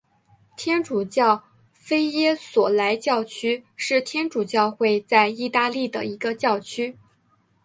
天主教菲耶索莱教区是天主教会在义大利的一个教区。